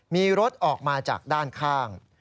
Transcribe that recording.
มีรถออกมาจากด้านข้าง